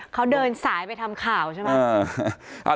เขาเดินสายไปทำข่าวใช่ไหม